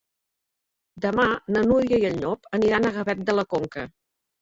Demà na Núria i en Llop aniran a Gavet de la Conca.